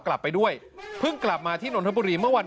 กลับไปด้วยเพิ่งกลับมาที่นนทบุรีเมื่อวัน